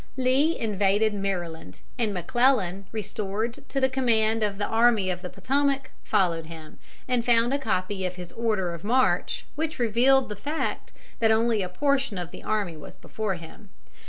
] Lee invaded Maryland, and McClellan, restored to command of the Army of the Potomac, followed him, and found a copy of his order of march, which revealed the fact that only a portion of the army was before him.